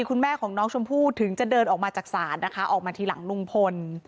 คุณแม่ของน้องชมพู่ถึงจะเดินออกมาจากศาลนะคะออกมาทีหลังลุงพล